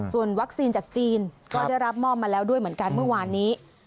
ส่วนวัคซีนจากจีนก็ได้รับมอบมาแล้วด้วยเหมือนกันเมื่อวานนี้